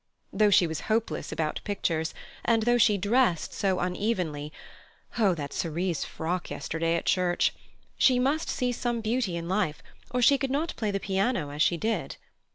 Though she was hopeless about pictures, and though she dressed so unevenly—oh, that cerise frock yesterday at church!—she must see some beauty in life, or she could not play the piano as she did.